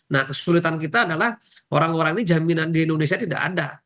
nah kesulitan kita adalah orang orang ini jaminan di indonesia tidak ada